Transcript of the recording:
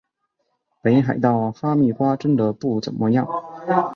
北海道哈密瓜真的不怎么样